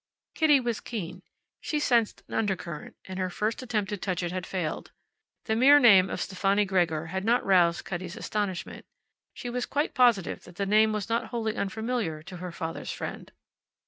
Kitty was keen. She sensed an undercurrent, and her first attempt to touch it had failed. The mere name of Stefani Gregor had not roused Cutty's astonishment. She was quite positive that the name was not wholly unfamiliar to her father's friend.